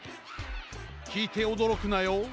きいておどろくなよ。